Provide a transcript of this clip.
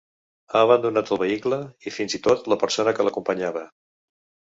Ha abandonat el vehicle i fins i tot la persona que l’acompanyava.